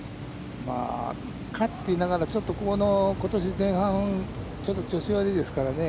勝っていながら、ことし前半、ちょっと調子悪いですからね。